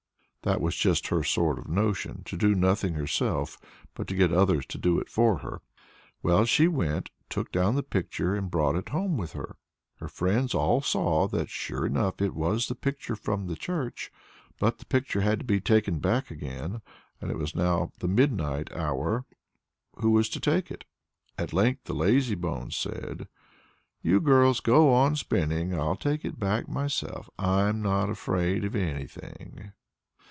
That was just her sort of notion: to do nothing herself, but to get others to do it for her. Well, she went, took down the picture, and brought it home with her. Her friends all saw that sure enough it was the picture from the church. But the picture had to be taken back again, and it was now the midnight hour. Who was to take it? At length the lazybones said: "You girls go on spinning. I'll take it back myself. I'm not afraid of anything!"